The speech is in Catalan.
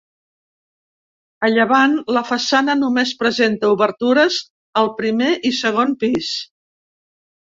A llevant la façana només presenta obertures al primer i segon pis.